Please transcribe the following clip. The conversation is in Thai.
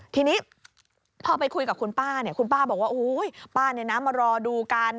ทีนี้พอไปคุยกับคุณป้าเนี่ยคุณป้าบอกว่าป้ามารอดูกัน